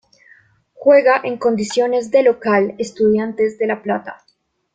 Juega en condición de local Estudiantes de La Plata.